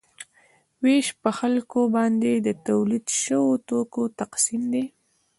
ویش په خلکو باندې د تولید شویو توکو تقسیم دی.